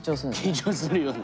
緊張するよね。